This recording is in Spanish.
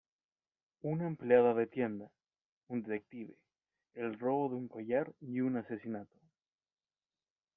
Una empleada de tienda, un detective, el robo de un collar y un asesinato.